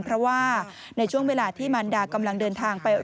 เพราะว่าในช่วงเวลาที่มันดากำลังเดินทางไป